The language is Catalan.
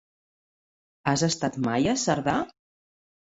Has estat mai a Cerdà?